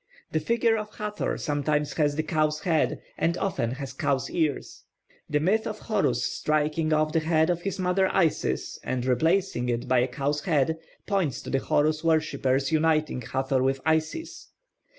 The figure of Hathor sometimes has the cow's head, and often has cow's ears. The myth of Horus striking off the head of his mother Isis and replacing it by a cow's head, points to the Horus worshippers uniting Hathor with Isis.